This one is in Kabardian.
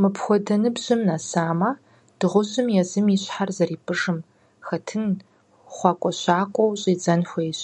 Мыпхуэдэ ныбжьым нэсамэ, дыгъужьым езым и щхьэр зэрипӀыжыным хэтын, хъуакӀуэщакӀуэу щӀидзэн хуейщ.